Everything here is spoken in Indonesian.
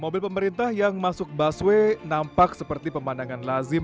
mobil pemerintah yang masuk busway nampak seperti pemandangan lazim